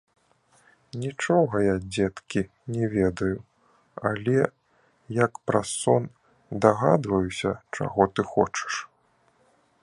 Нічога я, дзеткі, не ведаю, але, як праз сон, дагадваюся, чаго ты хочаш.